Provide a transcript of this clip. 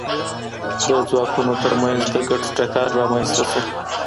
د ځواکونو ترمنځ د ګټو ټکر رامنځته سو.